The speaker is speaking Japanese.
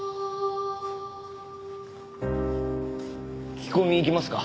聞き込み行きますか？